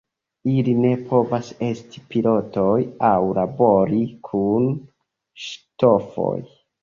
Ili ne povas esti pilotoj aŭ labori kun ŝtofoj.